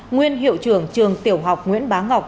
nguyên hiệu trưởng trường tiểu học nguyễn bá ngọc